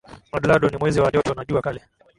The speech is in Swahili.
Oladalu ni Mwezi wa joto na jua kali